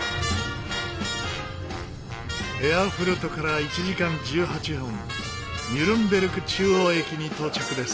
エアフルトから１時間１８分ニュルンベルク中央駅に到着です。